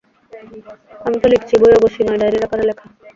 আমি তো লিখছি, বই অবশ্যি নয়-ডায়েরির আকারে লেখা।